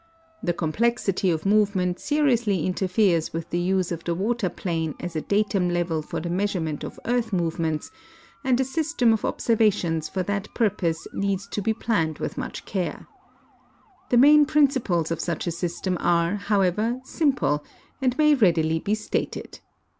The complexity of move ment seriousl3^ interferes with the use of the water plane as a datum level for the measurement of earth movements, and a system of observations for that jjurpose needs to be planned with much care. The main principles of such a S3''stem are, how ever, simple, and may readil3'" be stated.